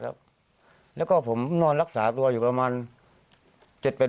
แล้วก็ผมนอนรักษาตัวอยู่ประมาณ